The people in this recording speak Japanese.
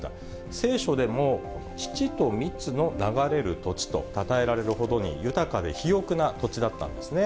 聖書でも、乳と蜜の流れる土地とたたえられるほどに、豊かで肥沃な土地だったんですね。